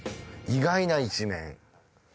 意外な一面。